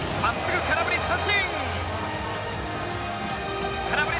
空振り三振！